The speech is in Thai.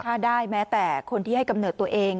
ถ้าได้แม้แต่คนที่ให้กำเนิดตัวเอง